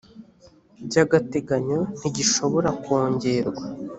by agateganyo ntigishobora kongerwa